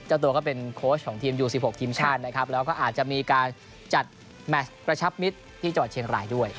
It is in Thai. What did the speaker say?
เจ้าตัวก็เป็นโค้ชของทีมอยู่๑๖ทีมชาตินะครับแล้วก็อาจจะมีการจัดแมชกระชับมิตรที่จังหวัดเชียงรายด้วย